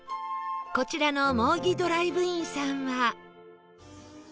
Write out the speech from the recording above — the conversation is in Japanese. こちらの舞木ドライブインさんは